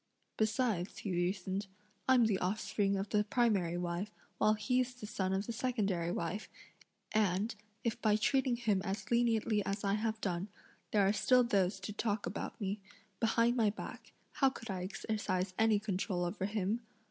"Besides," (he reasoned,) "I'm the offspring of the primary wife, while he's the son of the secondary wife, and, if by treating him as leniently as I have done, there are still those to talk about me, behind my back, how could I exercise any control over him?"